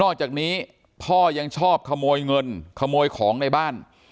จากนี้พ่อยังชอบขโมยเงินขโมยของในบ้าน